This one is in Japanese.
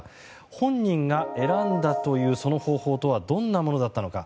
本人が選んだというその方法とはどんなものだったのか。